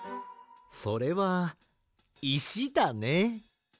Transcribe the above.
それはいしだね。